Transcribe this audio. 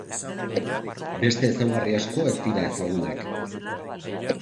Beste ezaugarri asko ez dira ezagunak.